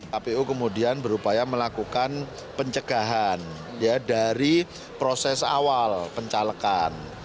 kpu kemudian berupaya melakukan pencegahan dari proses awal pencalekan